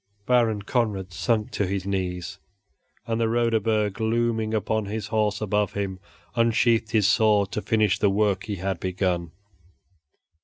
Baron Conrad sunk to his knees and the Roderburg, looming upon his horse above him, unsheathed his sword to finish the work he had begun.